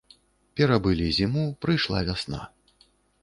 Перабылі зіму, прыйшла вясна.